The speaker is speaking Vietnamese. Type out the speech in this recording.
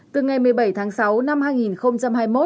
từ ngày một mươi bảy tháng sáu năm hai nghìn hai mươi một